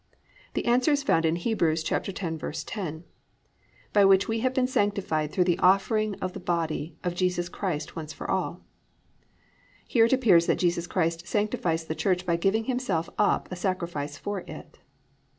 The answer is found in Heb. 10:10, +"By which will we have been sanctified through the offering of the body of Jesus Christ once for all."+ Here it appears that Jesus Christ sanctifies the church by giving Himself up a sacrifice for it.